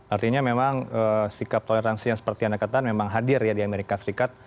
artinya memang sikap toleransi yang seperti anda katakan memang hadir ya di amerika serikat